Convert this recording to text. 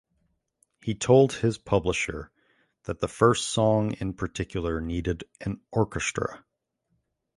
He told his publisher that the first song in particular needed an orchestra.